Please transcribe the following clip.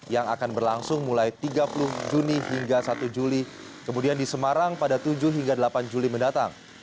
yang akan berlangsung mulai tiga puluh juni hingga satu juli kemudian di semarang pada tujuh hingga delapan juli mendatang